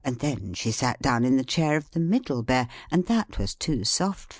Then she sat down in the chair of the Middle Sized Bear, but that was too soft.